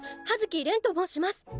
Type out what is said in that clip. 葉月恋と申します。